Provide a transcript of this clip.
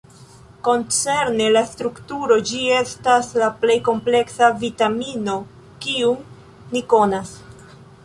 Koncerne la strukturo ĝi estas la plej kompleksa vitamino kiun ni konas.